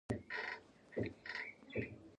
خو په افغانستان کې یې داسې حکومت جوړ کړ.